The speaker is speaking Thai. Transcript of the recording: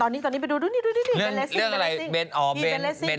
อ้าวตอนนี้ไปดูดูเรื่องอะไรเบนอ๋อเบนเรซิ่ง